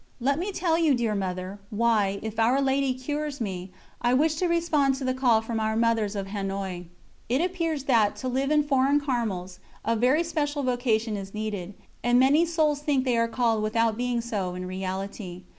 Let me tell you, dear Mother, why, if Our Lady cures me, I wish to respond to the call from our Mothers of Hanoï. It appears that to live in foreign Carmels, a very special vocation is needed, and many souls think they are called without being so in reality.